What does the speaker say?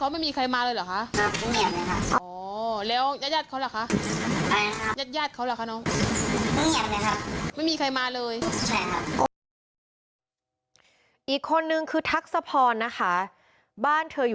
ไม่มีใครมาเลย